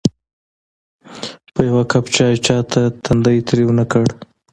په یوه کپ چایو چاته تندی تریو نه کړ.